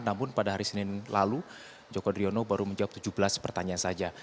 namun pada hari senin lalu joko driono baru menjawab tujuh belas pertanyaan saja